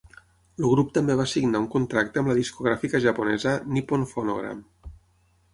El grup també va signar un contracte amb la discogràfica japonesa Nippon Phonogram.